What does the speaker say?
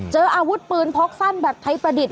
เจออาวุธปืนพกสั้นแบบไทยประดิษฐ